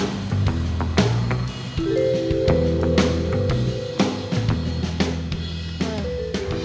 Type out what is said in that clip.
mirip bintang film